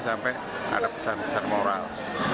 sampai ada pesan pesan moral